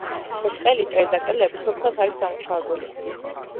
ბრტყელი ჭერი და კედლები სუფთად არის დამუშავებული.